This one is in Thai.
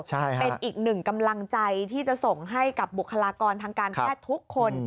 เป็นอีกหนึ่งกำลังใจที่จะส่งให้กับบุคลากรทางการแพทย์ทุกคน